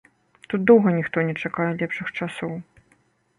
Тут доўга ніхто не чакае лепшых часоў.